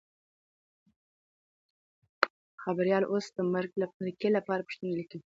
خبریال اوس د مرکې لپاره پوښتنې لیکي.